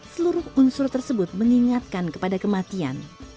seluruh unsur tersebut mengingatkan kepada kematian